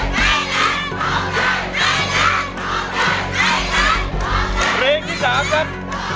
เพลงที่๓ครับ